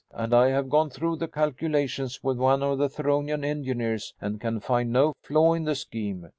And I have gone through the calculations with one of the Theronian engineers and can find no flaw in the scheme.